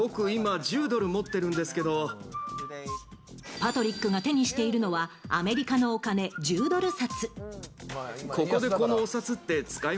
パトリックが手にしているのはアメリカのお金１０ドル札。